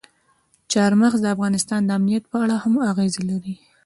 چار مغز د افغانستان د امنیت په اړه هم اغېز لري.